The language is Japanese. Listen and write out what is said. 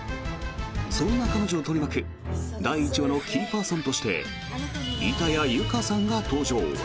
そんな彼女を取り巻く第１話のキーパーソンとして板谷由夏さんが登場。